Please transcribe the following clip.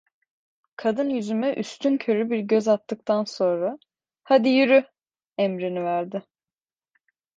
Kadın yüzüme üstünkörü bir göz attıktan sonra: "Hadi yürü!" emrini verdi.